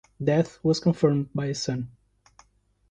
Death was confirmed by his son.